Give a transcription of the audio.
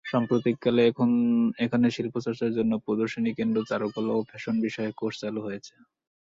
সাম্প্রতিক কালে এখানে শিল্প চর্চার জন্য প্রদর্শনী কেন্দ্র, চারুকলা ও ফ্যাশন বিষয়ে কোর্স চালু হয়েছে।